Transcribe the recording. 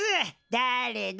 だれだ？